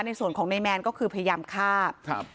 ในส่วนของนายแมนก็คือพยายามฆ่าครับ